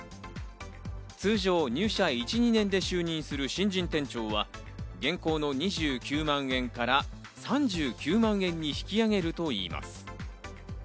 通常入社１２年で就任する新人店長は現行の２９万円から３９万円に引き上げるといいます。